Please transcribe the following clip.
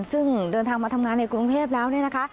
ซึ่งเดินทางมาทำงานในกรุงเทพแล้วเนี่ยนะคะ